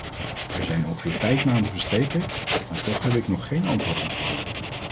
Er zijn ongeveer vijf maanden verstreken, maar toch heb ik nog geen antwoord ontvangen.